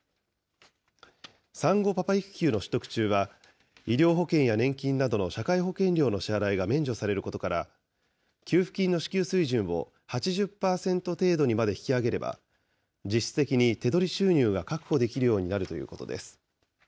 産後パパ育休の取得中は、医療保険や年金などの社会保険料の支払いが免除されることから、給付金の支給水準を８０％程度にまで引き上げれば、実質的に手取り収入が確保できるようになるということです。